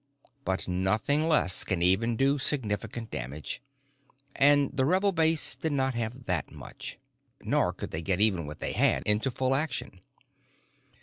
But nothing less can even do significant damage, and the rebel base did not have that much. Nor could they get even what they had into full action.